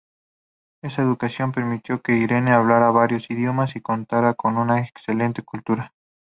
Esa educación permitió que Irene hablara varios idiomas y contara con una excelente cultura.